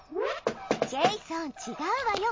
ジェイソンちがうわよ！